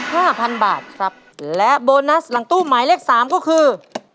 ห้าพันบาทครับและโบนัสหลังตู้หมายเลขสามก็คือ